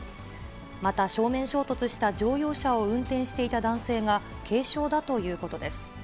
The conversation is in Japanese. また、正面衝突した乗用車を運転していた男性が軽傷だということです。